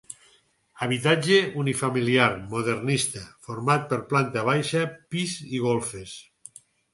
Habitatge unifamiliar modernista, format per planta baixa, pis i golfes.